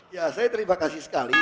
ya saya terima kasih sekali